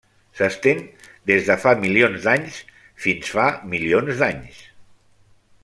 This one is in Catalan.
S'estén des de fa milions d'anys fins fa milions d'anys.